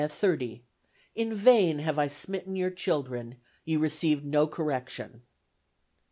30 'In vain have I smitten yr c(hildre)n ye rec'd no Correction.'"